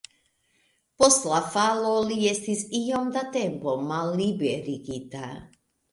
Post la falo li estis iom da tempo malliberigita.